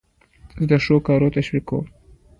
زه د ښو کارو تشویق کوم.